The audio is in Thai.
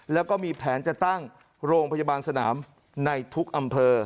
แล้วก็มีแผนจะตั้งโรงพยาบาลสนามในทุกอำเภอ